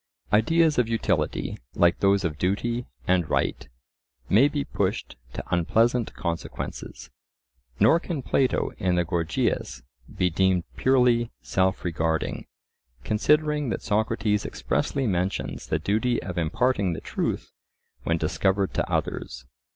Ideas of utility, like those of duty and right, may be pushed to unpleasant consequences. Nor can Plato in the Gorgias be deemed purely self regarding, considering that Socrates expressly mentions the duty of imparting the truth when discovered to others.